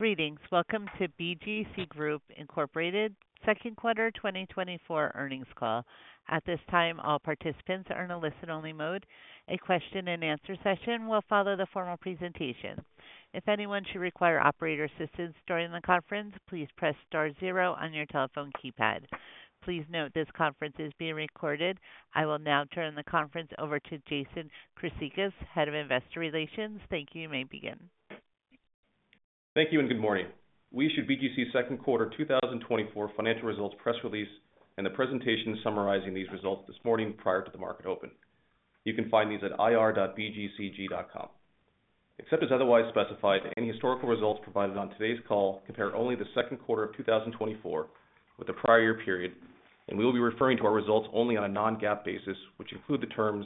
Greetings. Welcome to BGC Group, Inc. Second Quarter 2024 Earnings Call. At this time, all participants are in a listen-only mode. A question-and-answer session will follow the formal presentation. If anyone should require operator assistance during the conference, please press star zero on your telephone keypad. Please note this conference is being recorded. I will now turn the conference over to Jason Chryssicas, Head of Investor Relations. Thank you, you may begin. Thank you and good morning. We issued BGC's second quarter 2024 financial results press release and the presentation summarizing these results this morning prior to the market open. You can find these at ir.bgcg.com. Except as otherwise specified, any historical results provided on today's call compare only the second quarter of 2024 with the prior year period, and we will be referring to our results only on a non-GAAP basis, which include the terms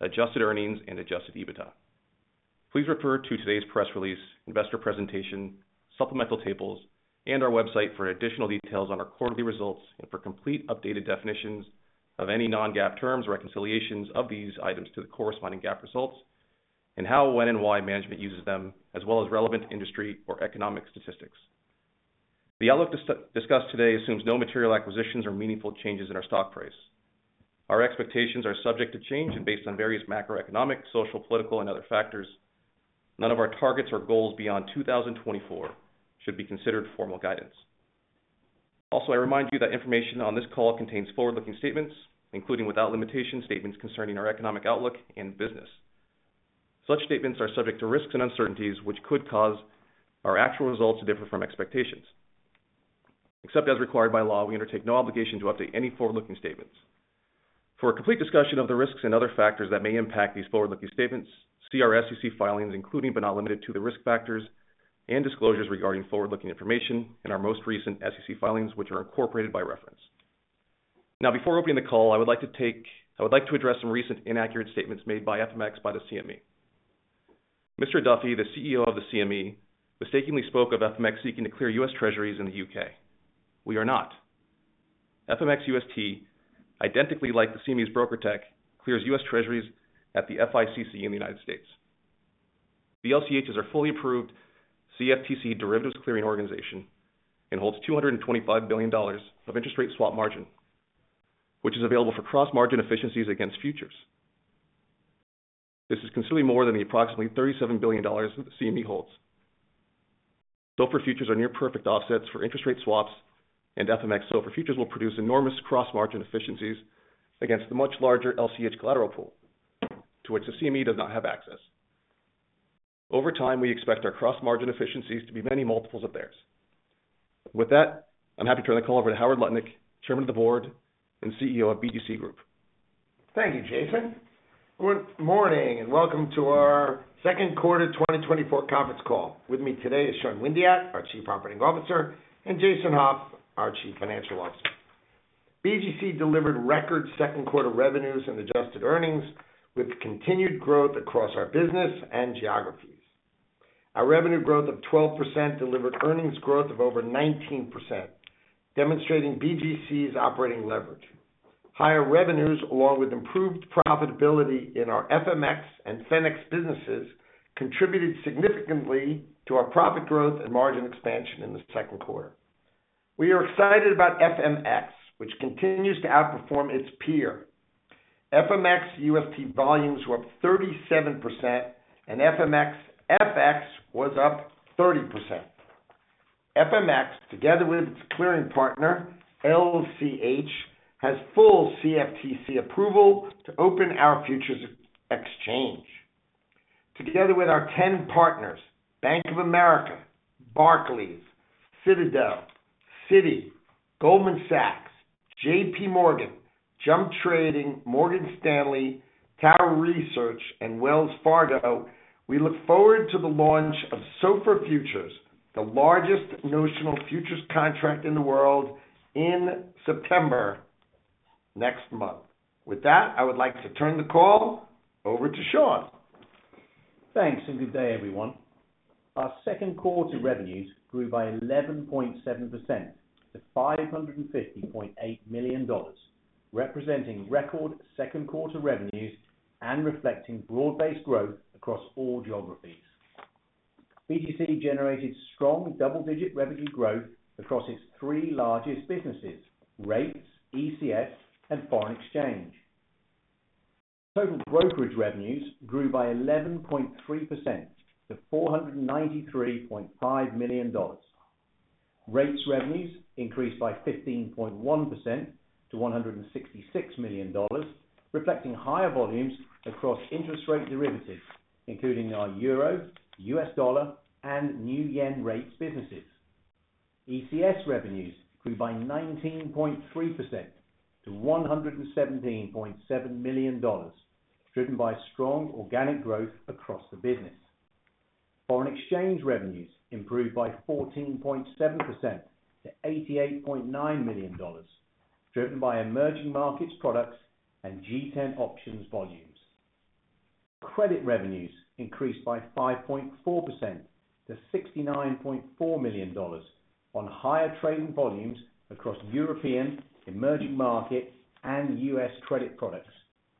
Adjusted Earnings and Adjusted EBITDA. Please refer to today's press release, investor presentation, supplemental tables, and our website for additional details on our quarterly results and for complete updated definitions of any non-GAAP terms or reconciliations of these items to the corresponding GAAP results and how, when, and why management uses them, as well as relevant industry or economic statistics. The outlook discussed today assumes no material acquisitions or meaningful changes in our stock price. Our expectations are subject to change and based on various macroeconomic, social, political, and other factors. None of our targets or goals beyond 2024 should be considered formal guidance. Also, I remind you that information on this call contains forward-looking statements, including without limitation statements concerning our economic outlook and business. Such statements are subject to risks and uncertainties, which could cause our actual results to differ from expectations. Except as required by law, we undertake no obligation to update any forward-looking statements. For a complete discussion of the risks and other factors that may impact these forward-looking statements, see our SEC filings, including but not limited to the risk factors and disclosures regarding forward-looking information and our most recent SEC filings, which are incorporated by reference. Now, before opening the call, I would like to address some recent inaccurate statements made by FMX by the CME. Mr. Duffy, the CEO of the CME, mistakenly spoke of FMX seeking to clear U.S. Treasuries in the U.K. We are not. FMX UST, identically like the CME's BrokerTec, clears U.S. Treasuries at the FICC in the United States. The LCH is our fully approved CFTC derivatives clearing organization and holds $225 billion of interest rate swap margin, which is available for cross-margin efficiencies against futures. This is considerably more than the approximately $37 billion that the CME holds. SOFR futures are near-perfect offsets for interest rate swaps, and FMX SOFR futures will produce enormous cross-margin efficiencies against the much larger LCH collateral pool, to which the CME does not have access. Over time, we expect our cross-margin efficiencies to be many multiples of theirs. With that, I'm happy to turn the call over to Howard Lutnick, Chairman of the Board and CEO of BGC Group. Thank you, Jason. Good morning and welcome to our second quarter 2024 conference call. With me today is Sean Windeatt, our Chief Operating Officer, and Jason Hauf, our Chief Financial Officer. BGC delivered record second quarter revenues and Adjusted Earnings with continued growth across our business and geographies. Our revenue growth of 12% delivered earnings growth of over 19%, demonstrating BGC's operating leverage. Higher revenues, along with improved profitability in our FMX and Fenics businesses, contributed significantly to our profit growth and margin expansion in the second quarter. We are excited about FMX, which continues to outperform its peer. FMX UST volumes were up 37%, and FMX FX was up 30%. FMX, together with its clearing partner, LCH, has full CFTC approval to open our futures exchange. Together with our 10 partners-Bank of America, Barclays, Citadel, Citi, Goldman Sachs, JPMorgan, Jump Trading, Morgan Stanley, Tower Research, and Wells Fargo, we look forward to the launch of SOFR Futures, the largest notional futures contract in the world, in September next month. With that, I would like to turn the call over to Sean. Thanks and good day, everyone. Our second quarter revenues grew by 11.7% to $550.8 million, representing record second quarter revenues and reflecting broad-based growth across all geographies. BGC generated strong double-digit revenue growth across its three largest businesses: Rates, ECS, and Foreign Exchange. Total brokerage revenues grew by 11.3% to $493.5 million. Rates revenues increased by 15.1% to $166 million, reflecting higher volumes across interest rate derivatives, including our Euro, U.S. Dollar, and New Yen Rates businesses. ECS revenues grew by 19.3% to $117.7 million, driven by strong organic growth across the business. Foreign Exchange revenues improved by 14.7% to $88.9 million, driven by emerging markets products and G10 options volumes. Credit revenues increased by 5.4% to $69.4 million on higher trading volumes across European emerging markets and U.S. credit products,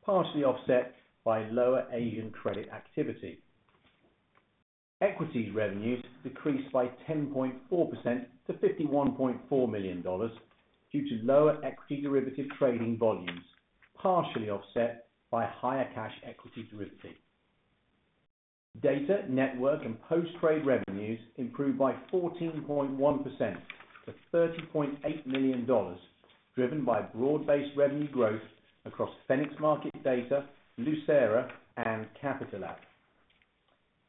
partially offset by lower Asian credit activity. Equities revenues decreased by 10.4% to $51.4 million due to lower equity derivative trading volumes, partially offset by higher cash equity derivatives. Data, Network, and Post-trade revenues improved by 14.1% to $30.8 million, driven by broad-based revenue growth across Fenics Market Data, Lucera, and Capitalab.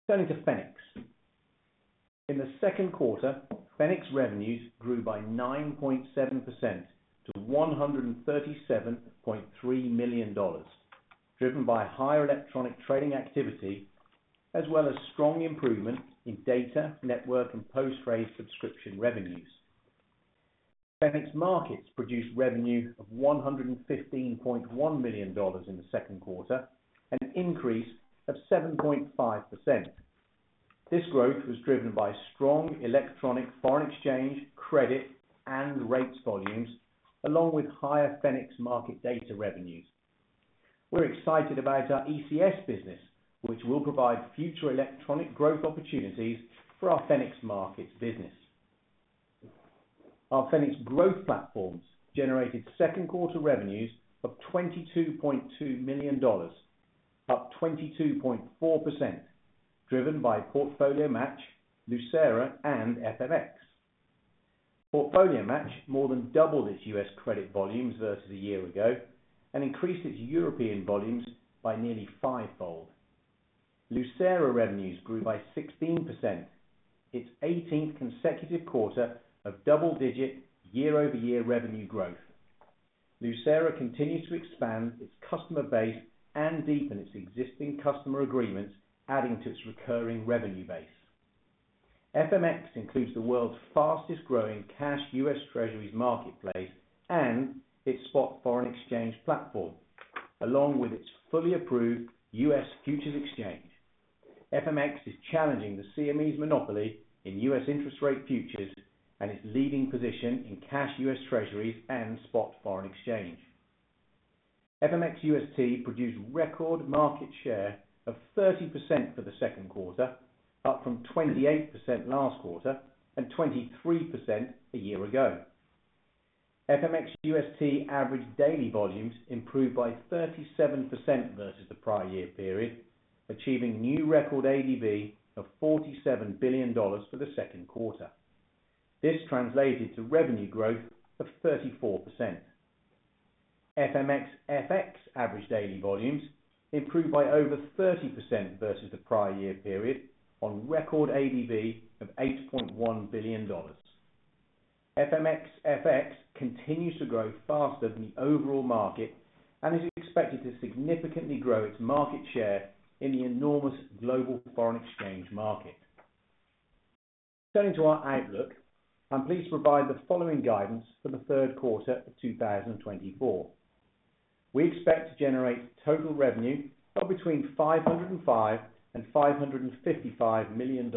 Turning to Fenics. In the second quarter, Fenics revenues grew by 9.7% to $137.3 million, driven by higher electronic trading activity as well as strong improvement in data, network, and post-trade subscription revenues. Fenics Markets produced revenue of $115.1 million in the second quarter, an increase of 7.5%. This growth was driven by strong electronic Foreign Exchange, Credit, and Rates volumes, along with higher Fenics Market Data revenues. We're excited about our ECS business, which will provide future electronic growth opportunities for our Fenics Markets business. Our Fenics growth platforms generated second quarter revenues of $22.2 million, up 22.4%, driven by Portfolio Match, Lucera, and FMX. Portfolio Match more than doubled its U.S. credit volumes versus a year ago and increased its European volumes by nearly fivefold. Lucera revenues grew by 16%, its 18th consecutive quarter of double-digit year-over-year revenue growth. Lucera continues to expand its customer base and deepen its existing customer agreements, adding to its recurring revenue base. FMX includes the world's fastest-growing cash U.S. Treasuries marketplace and its spot Foreign Exchange platform, along with its fully approved U.S. futures exchange. FMX is challenging the CME's monopoly in U.S. interest rate futures and its leading position in cash U.S. Treasuries and spot Foreign Exchange. FMX UST produced record market share of 30% for the second quarter, up from 28% last quarter and 23% a year ago. FMX UST average daily volumes improved by 37% versus the prior year period, achieving new record ADV of $47 billion for the second quarter. This translated to revenue growth of 34%. FMX FX average daily volumes improved by over 30% versus the prior year period on record ADV of $8.1 billion. FMX FX continues to grow faster than the overall market and is expected to significantly grow its market share in the enormous global Foreign Exchange market. Turning to our outlook, I'm pleased to provide the following guidance for the third quarter of 2024. We expect to generate total revenue of between $505 million-$555 million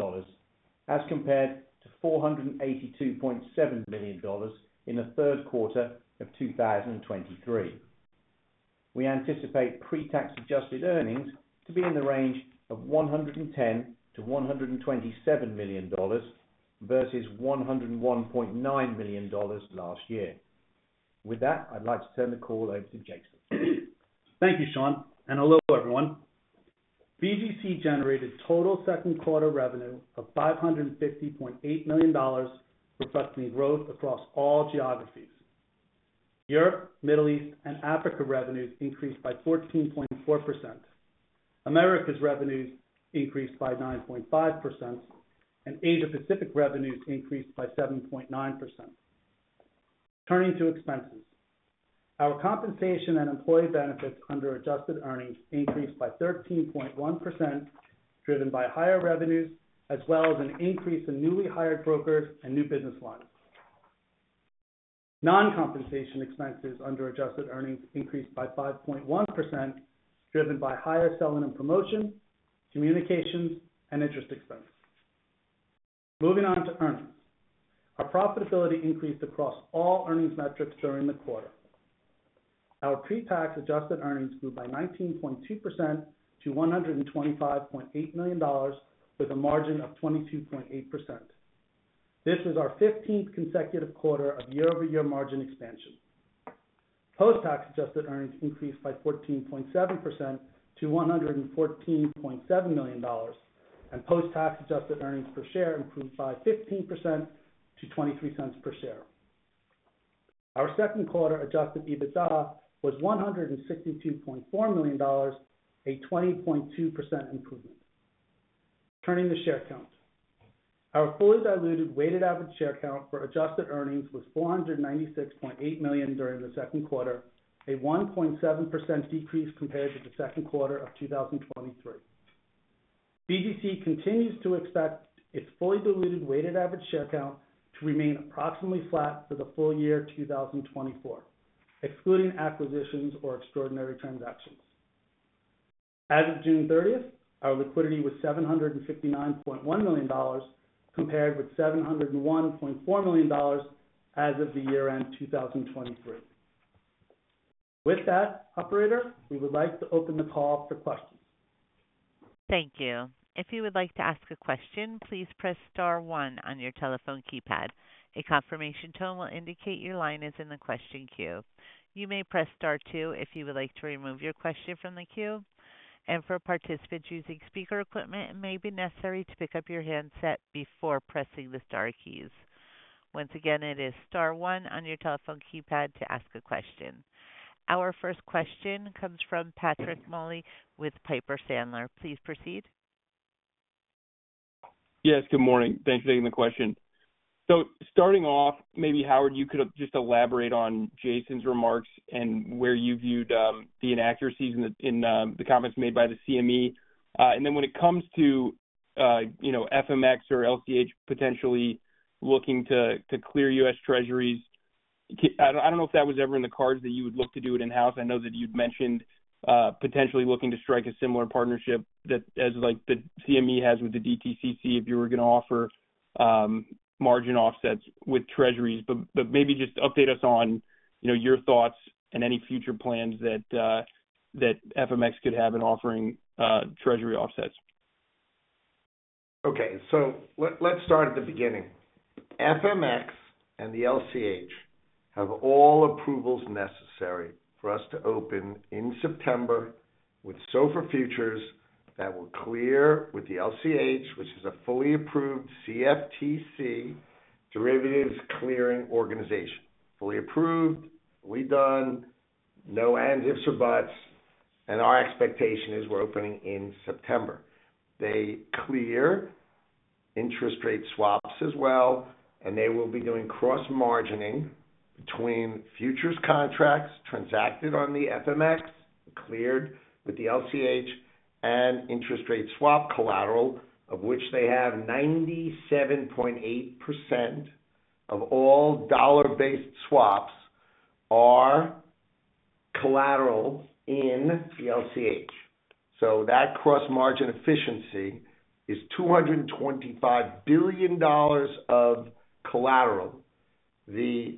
as compared to $482.7 million in the third quarter of 2023. We anticipate pre-tax Adjusted Earnings to be in the range of $110 million-$127 million versus $101.9 million last year. With that, I'd like to turn the call over to Jason. Thank you, Sean, and hello everyone. BGC generated total second quarter revenue of $550.8 million reflecting growth across all geographies. Europe, Middle East, and Africa revenues increased by 14.4%. Americas revenues increased by 9.5%, and Asia Pacific revenues increased by 7.9%. Turning to expenses, our compensation and employee benefits under Adjusted Earnings increased by 13.1%, driven by higher revenues as well as an increase in newly hired brokers and new business lines. Non-compensation expenses under Adjusted Earnings increased by 5.1%, driven by higher selling and promotion, communications, and interest expense. Moving on to earnings, our profitability increased across all earnings metrics during the quarter. Our pre-tax Adjusted Earnings grew by 19.2% to $125.8 million with a margin of 22.8%. This was our 15th consecutive quarter of year-over-year margin expansion. Post-tax Adjusted Earnings increased by 14.7% to $114.7 million, and post-tax Adjusted Earnings per share improved by 15% to $0.23 per share. Our second quarter Adjusted EBITDA was $162.4 million, a 20.2% improvement. Turning to share count, our fully diluted weighted average share count for Adjusted Earnings was 496.8 million during the second quarter, a 1.7% decrease compared to the second quarter of 2023. BGC continues to expect its fully diluted weighted average share count to remain approximately flat for the full year 2024, excluding acquisitions or extraordinary transactions. As of June 30th, our liquidity was $759.1 million compared with $701.4 million as of the year-end 2023. With that, Operator, we would like to open the call for questions. Thank you. If you would like to ask a question, please press star one on your telephone keypad. A confirmation tone will indicate your line is in the question queue. You may press star two if you would like to remove your question from the queue. And for participants using speaker equipment, it may be necessary to pick up your handset before pressing the star keys. Once again, it is star one on your telephone keypad to ask a question. Our first question comes from Patrick Moley with Piper Sandler. Please proceed. Yes, good morning. Thanks for taking the question. So starting off, maybe Howard, you could just elaborate on Jason's remarks and where you viewed the inaccuracies in the comments made by the CME. Then when it comes to FMX or LCH potentially looking to clear U.S. Treasuries, I don't know if that was ever in the cards that you would look to do it in-house. I know that you'd mentioned potentially looking to strike a similar partnership that, as the CME has with the DTCC, if you were going to offer margin offsets with Treasuries. Maybe just update us on your thoughts and any future plans that FMX could have in offering Treasury offsets. Okay. So let's start at the beginning. FMX and the LCH have all approvals necessary for us to open in September with SOFR Futures that will clear with the LCH, which is a fully approved CFTC derivatives clearing organization. Fully approved, fully done, no ifs, ands, or buts. And our expectation is we're opening in September. They clear interest rate swaps as well, and they will be doing cross-margining between futures contracts transacted on the FMX, cleared with the LCH, and interest rate swap collateral, of which they have 97.8% of all dollar-based swaps are collateral in the LCH. So that cross-margin efficiency is $225 billion of collateral. The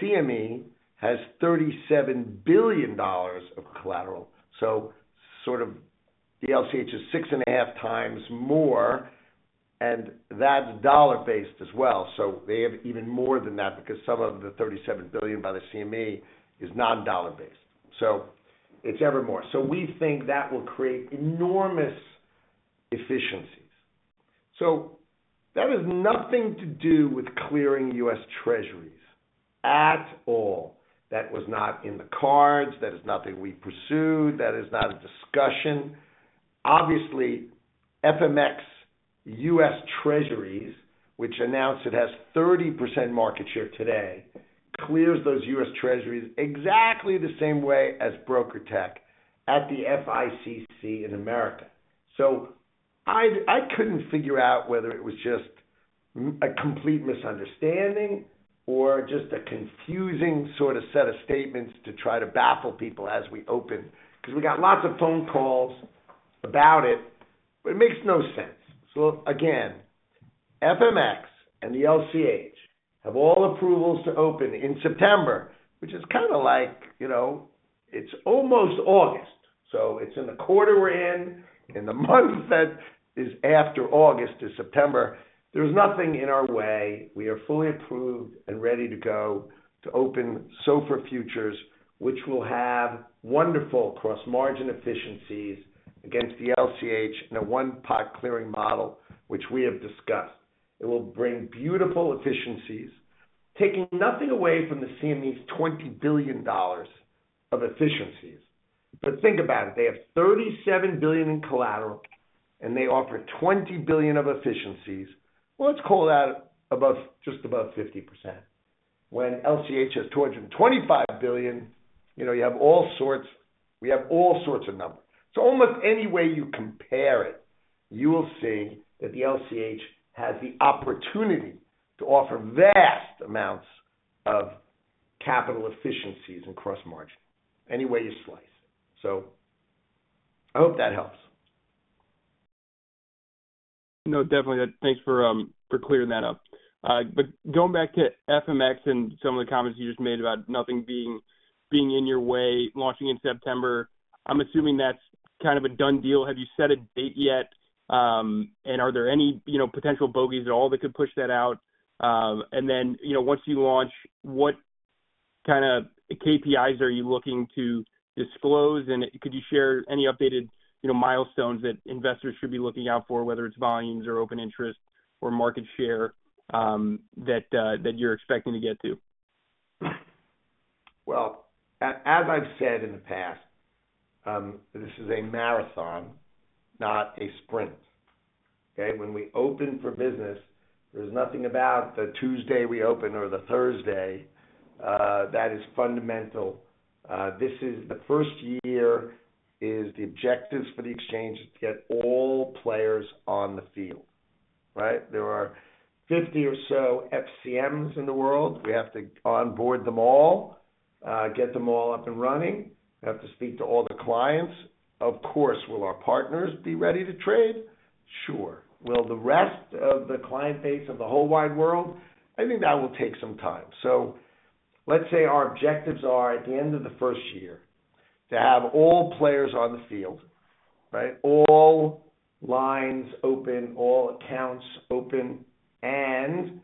CME has $37 billion of collateral. So sort of the LCH is 6.5x more, and that's dollar-based as well. So they have even more than that because some of the $37 billion by the CME is non-dollar-based. So it's ever more. So we think that will create enormous efficiencies. So that has nothing to do with clearing U.S. Treasuries at all. That was not in the cards. That is nothing we pursued. That is not a discussion. Obviously, FMX U.S. Treasuries, which announced it has 30% market share today, clears those U.S. Treasuries exactly the same way as BrokerTec at the FICC in America. So I couldn't figure out whether it was just a complete misunderstanding or just a confusing sort of set of statements to try to baffle people as we open because we got lots of phone calls about it, but it makes no sense. So again, FMX and the LCH have all approvals to open in September, which is kind of like it's almost August. So it's in the quarter we're in, in the month that is after August to September. There's nothing in our way. We are fully approved and ready to go to open SOFR Futures, which will have wonderful cross-margin efficiencies against the LCH and a one-pot clearing model, which we have discussed. It will bring beautiful efficiencies, taking nothing away from the CME's $20 billion of efficiencies. But think about it. They have $37 billion in collateral, and they offer $20 billion of efficiencies. Well, let's call that just about 50%. When LCH has $225 billion, you have all sorts of numbers. So almost any way you compare it, you will see that the LCH has the opportunity to offer vast amounts of capital efficiencies and cross-margin any way you slice. So I hope that helps. No, definitely. Thanks for clearing that up. Going back to FMX and some of the comments you just made about nothing being in your way launching in September, I'm assuming that's kind of a done deal. Have you set a date yet? And are there any potential bogeys at all that could push that out? And then once you launch, what kind of KPIs are you looking to disclose? And could you share any updated milestones that investors should be looking out for, whether it's volumes or open interest or market share that you're expecting to get to? Well, as I've said in the past, this is a marathon, not a sprint. Okay? When we open for business, there's nothing about the Tuesday we open or the Thursday that is fundamental. The first year is the objectives for the exchange is to get all players on the field. Right? There are 50 or so FCMs in the world. We have to onboard them all, get them all up and running. We have to speak to all the clients. Of course, will our partners be ready to trade? Sure. Will the rest of the client base of the whole wide world? I think that will take some time. So let's say our objectives are at the end of the first year to have all players on the field, all lines open, all accounts open, and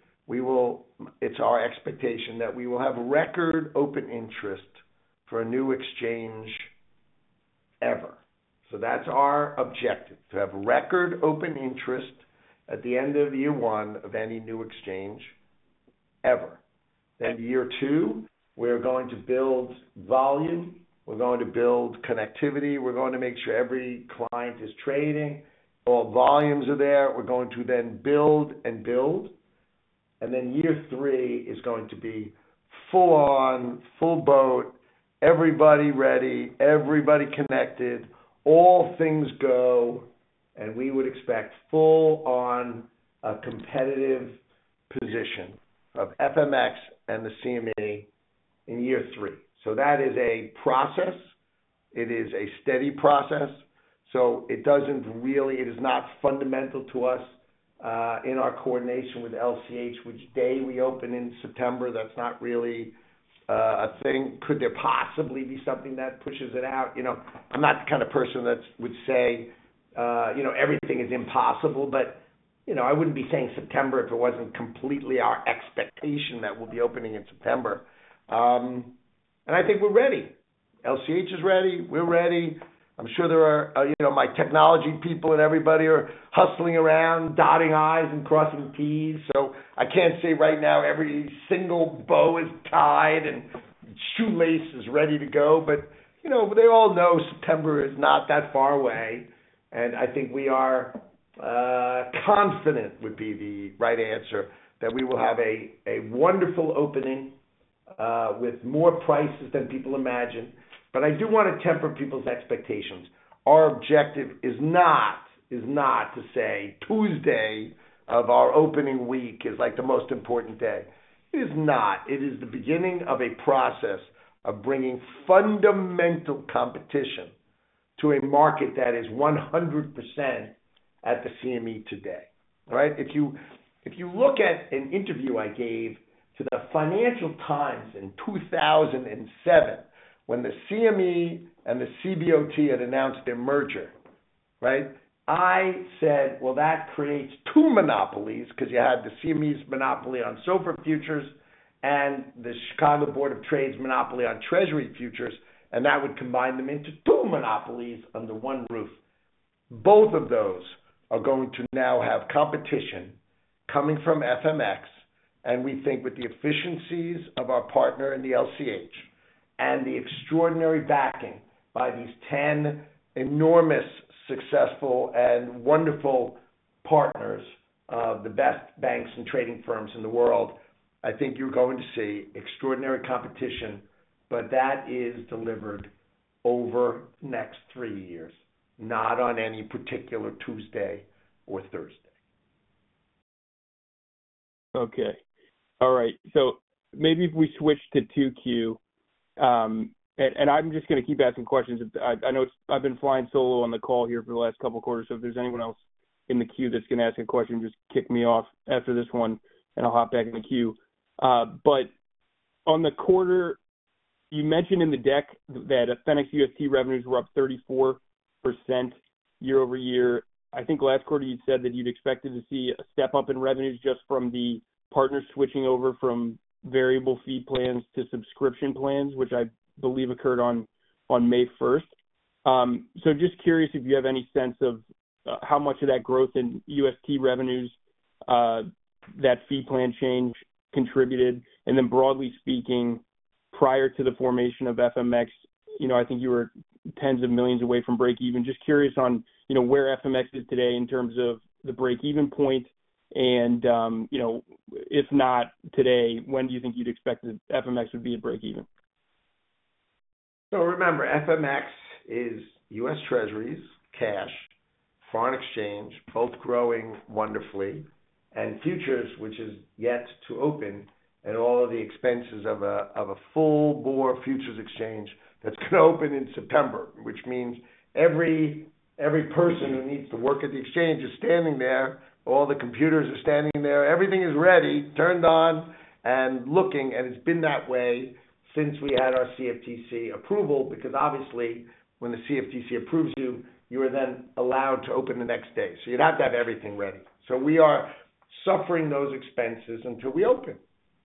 it's our expectation that we will have record open interest for a new exchange ever. So that's our objective, to have record open interest at the end of year one of any new exchange ever. Then year two, we're going to build volume. We're going to build connectivity. We're going to make sure every client is trading. All volumes are there. We're going to then build and build. And then year three is going to be full-on, full boat, everybody ready, everybody connected, all things go, and we would expect full-on competitive position of FMX and the CME in year three. So that is a process. It is a steady process. So it doesn't really—it is not fundamental to us in our coordination with LCH. Which day we open in September, that's not really a thing. Could there possibly be something that pushes it out? I'm not the kind of person that would say everything is impossible, but I wouldn't be saying September if it wasn't completely our expectation that we'll be opening in September. And I think we're ready. LCH is ready. We're ready. I'm sure there are my technology people and everybody are hustling around, dotting I's and crossing T's. So I can't say right now every single bow is tied and shoelace is ready to go, but they all know September is not that far away. And I think we are confident would be the right answer that we will have a wonderful opening with more prices than people imagine. But I do want to temper people's expectations. Our objective is not to say Tuesday of our opening week is the most important day. It is not. It is the beginning of a process of bringing fundamental competition to a market that is 100% at the CME today. Right? If you look at an interview I gave to the Financial Times in 2007 when the CME and the CBOT had announced their merger, right? I said, "Well, that creates two monopolies because you had the CME's monopoly on SOFR Futures and the Chicago Board of Trade's monopoly on Treasury Futures, and that would combine them into two monopolies under one roof." Both of those are going to now have competition coming from FMX, and we think with the efficiencies of our partner in the LCH and the extraordinary backing by these 10 enormous successful and wonderful partners of the best banks and trading firms in the world, I think you're going to see extraordinary competition, but that is delivered over the next three years, not on any particular Tuesday or Thursday. Okay. All right. So maybe if we switch to 2Q, and I'm just going to keep asking questions. I know I've been flying solo on the call here for the last couple of quarters, so if there's anyone else in the queue that's going to ask a question, just kick me off after this one, and I'll hop back in the queue. But on the quarter, you mentioned in the deck that Fenics UST revenues were up 34% year-over-year. I think last quarter you said that you'd expected to see a step up in revenues just from the partners switching over from variable fee plans to subscription plans, which I believe occurred on May 1st. So just curious if you have any sense of how much of that growth in U.S.T revenues that fee plan change contributed. And then broadly speaking, prior to the formation of FMX, I think you were tens of millions away from break-even. Just curious on where FMX is today in terms of the break-even point? And if not today, when do you think you'd expect FMX would be at break-even? So remember, FMX is U.S. Treasuries, cash, Foreign Exchange, both growing wonderfully, and futures, which is yet to open, and all of the expenses of a full-bore futures exchange that's going to open in September, which means every person who needs to work at the exchange is standing there. All the computers are standing there. Everything is ready, turned on, and looking. And it's been that way since we had our CFTC approval because obviously when the CFTC approves you, you are then allowed to open the next day. So you'd have to have everything ready. So we are suffering those expenses until we open.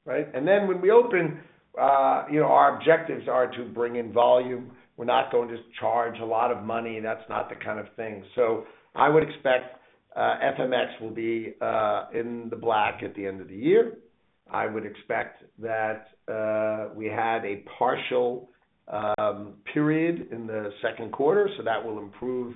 Right? And then when we open, our objectives are to bring in volume. We're not going to charge a lot of money. That's not the kind of thing. So I would expect FMX will be in the black at the end of the year. I would expect that we had a partial period in the second quarter, so that will improve,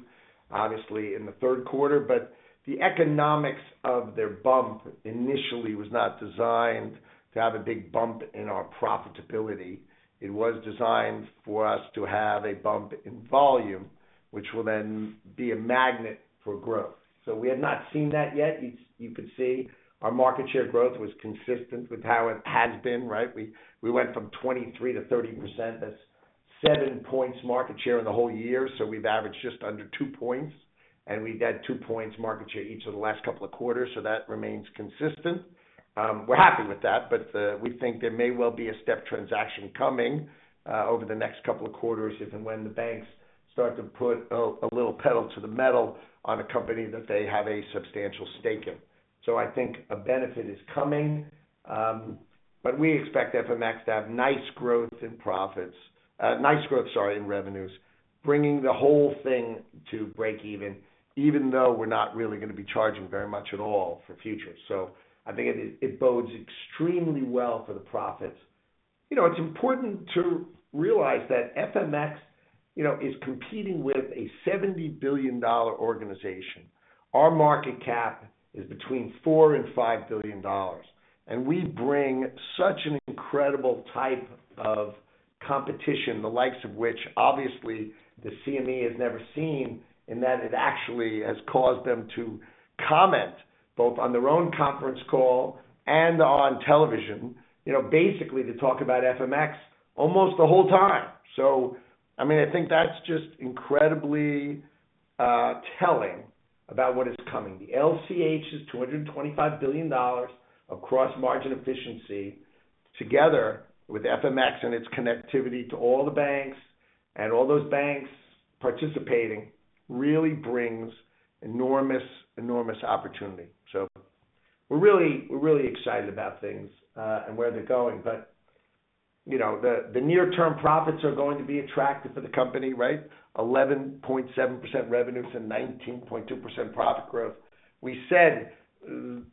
obviously, in the third quarter. But the economics of their bump initially was not designed to have a big bump in our profitability. It was designed for us to have a bump in volume, which will then be a magnet for growth. So we have not seen that yet. You could see our market share growth was consistent with how it has been. Right? We went from 23%-30%. That's seven points market share in the whole year. So we've averaged just under two points, and we've had two points market share each of the last couple of quarters. So that remains consistent. We're happy with that, but we think there may well be a step transaction coming over the next couple of quarters if and when the banks start to put a little pedal to the metal on a company that they have a substantial stake in. So I think a benefit is coming. But we expect FMX to have nice growth in profits, nice growth, sorry, in revenues, bringing the whole thing to break-even, even though we're not really going to be charging very much at all for futures. So I think it bodes extremely well for the profits. It's important to realize that FMX is competing with a $70 billion organization. Our market cap is between $4 billion and $5 billion. We bring such an incredible type of competition, the likes of which obviously the CME has never seen, in that it actually has caused them to comment both on their own conference call and on television, basically to talk about FMX almost the whole time. So I mean, I think that's just incredibly telling about what is coming. The LCH is $225 billion of cross-margin efficiency together with FMX and its connectivity to all the banks and all those banks participating really brings enormous, enormous opportunity. So we're really excited about things and where they're going. But the near-term profits are going to be attractive for the company. Right? 11.7% revenues and 19.2% profit growth. We said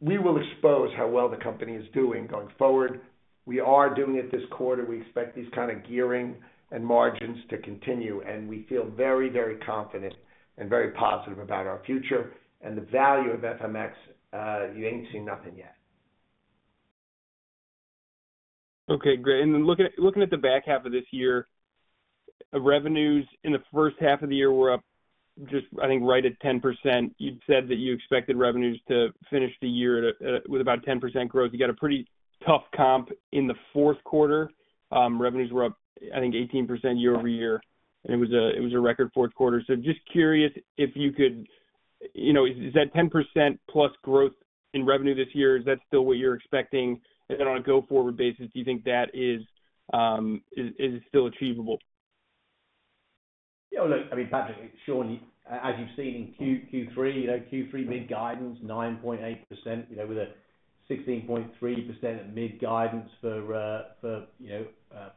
we will expose how well the company is doing going forward. We are doing it this quarter. We expect these kind of gearing and margins to continue. We feel very, very confident and very positive about our future. The value of FMX, you ain't seen nothing yet. Okay. Great. And then looking at the back half of this year, revenues in the first half of the year were up, I think, right at 10%. You'd said that you expected revenues to finish the year with about 10% growth. You got a pretty tough comp in the fourth quarter. Revenues were up, I think, 18% year-over-year. And it was a record fourth quarter. So just curious if you could, is that 10% plus growth in revenue this year, is that still what you're expecting? And then on a go-forward basis, do you think that is still achievable? Yeah. Look, I mean, Patrick, surely, as you've seen in Q3, Q3 mid-guidance, 9.8% with a 16.3% mid-guidance for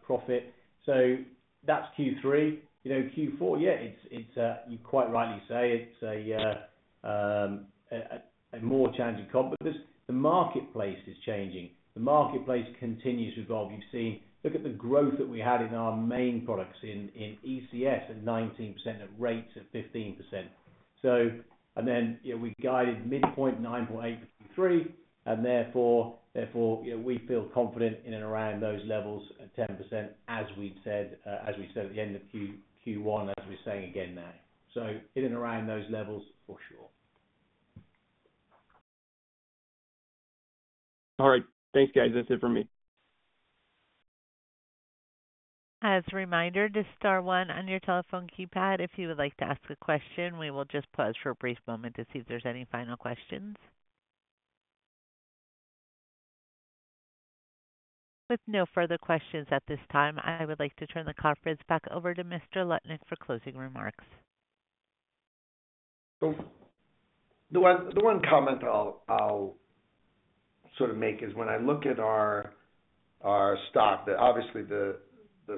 profit. So that's Q3. Q4, yeah, you quite rightly say it's a more challenging comp. But the marketplace is changing. The marketplace continues to evolve. You've seen, look at the growth that we had in our main products in ECS at 19% and rates at 15%. And then we guided mid-point 9.8% for Q3. And therefore, we feel confident in and around those levels at 10%, as we said at the end of Q1, as we're saying again now. So in and around those levels, for sure. All right. Thanks, guys. That's it for me. As a reminder, to star one on your telephone keypad, if you would like to ask a question, we will just pause for a brief moment to see if there's any final questions. With no further questions at this time, I would like to turn the conference back over to Mr. Lutnick for closing remarks. The one comment I'll sort of make is when I look at our stock, that obviously the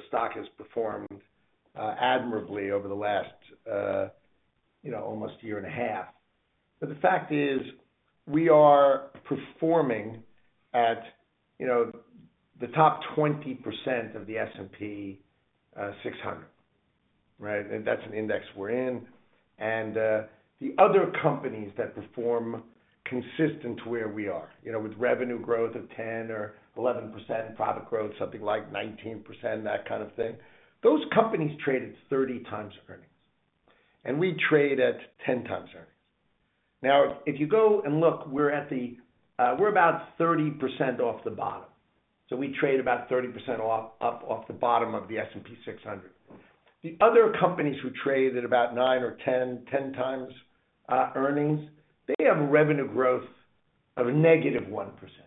stock has performed admirably over the last almost year and a half. But the fact is we are performing at the top 20% of the S&P 600. Right? And that's an index we're in. And the other companies that perform consistent to where we are, with revenue growth of 10% or 11%, profit growth, something like 19%, that kind of thing, those companies traded 30x earnings. And we trade at 10x earnings. Now, if you go and look, we're about 30% off the bottom. So we trade about 30% off the bottom of the S&P 600. The other companies who traded about nine or 10x earnings, they have revenue growth of -1%.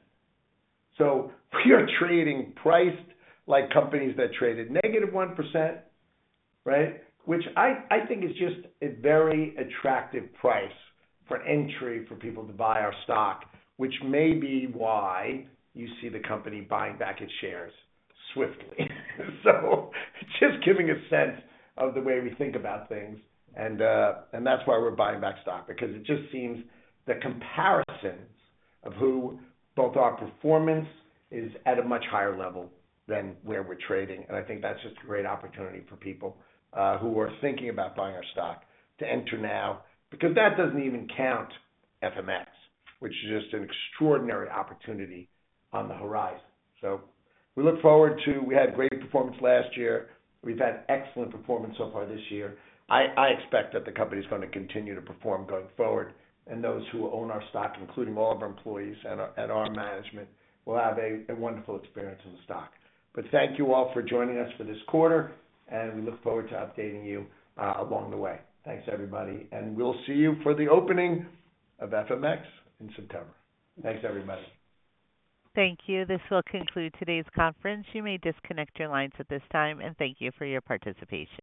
So we are trading priced like companies that traded -1%, right? Which I think is just a very attractive price for entry for people to buy our stock, which may be why you see the company buying back its shares swiftly. So just giving a sense of the way we think about things. And that's why we're buying back stock, because it just seems the comparisons of who both our performance is at a much higher level than where we're trading. And I think that's just a great opportunity for people who are thinking about buying our stock to enter now, because that doesn't even count FMX, which is just an extraordinary opportunity on the horizon. So we look forward to we had great performance last year. We've had excellent performance so far this year. I expect that the company is going to continue to perform going forward. Those who own our stock, including all of our employees and our management, will have a wonderful experience in the stock. Thank you all for joining us for this quarter. We look forward to updating you along the way. Thanks, everybody. We'll see you for the opening of FMX in September. Thanks, everybody. Thank you. This will conclude today's conference. You may disconnect your lines at this time. Thank you for your participation.